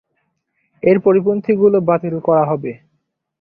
এর পরিপন্থী গুলো বাতিল করা হবে।